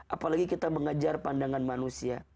apalagi kita mengejar pandangan manusia